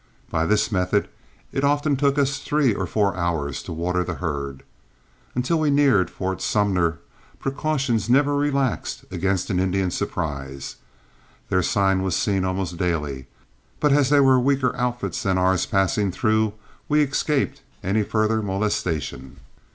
By this method it often took us three or four hours to water the herd. Until we neared Fort Sumner precaution never relaxed against an Indian surprise. Their sign was seen almost daily, but as there were weaker outfits than ours passing through we escaped any further molestation.